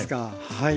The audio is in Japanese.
はい。